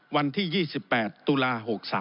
วันที่๒๘ตุลา๖๓